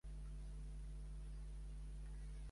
El significat d'Imgur-Enlil és "Enlil acordat".